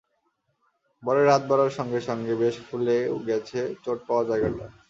পরে রাত বাড়ার সঙ্গে সঙ্গে বেশ ফুলেও গেছে চোট পাওয়া জায়গাটা।